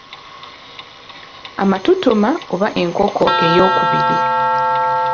Amatutuma oba enkoko eyookubiri.